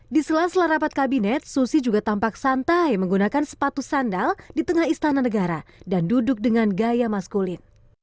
di sela sela rapat kabinet susi juga tampak santai menggunakan sepatu sandal di tengah istana negara dan duduk dengan gaya maskulin